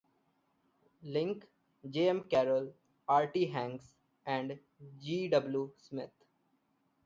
Link, J. M. Carroll, R. T. Hanks, and G. W. Smith.